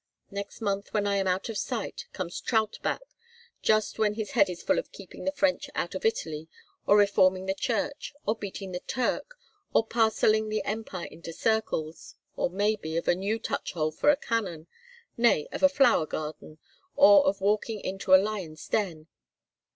Next month, when I am out of sight, comes Trautbach, just when his head is full of keeping the French out of Italy, or reforming the Church, or beating the Turk, or parcelling the empire into circles, or, maybe, of a new touch hole for a cannon—nay, of a flower garden, or of walking into a lion's den.